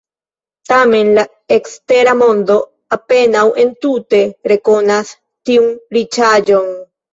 Tamen la ekstera mondo apenaŭ entute rekonas tiun riĉaĵon.